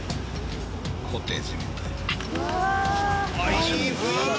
コテージみたいな。